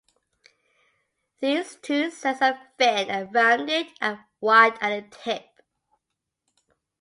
These two sets of fin are rounded and wide at the tip.